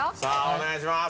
お願いします。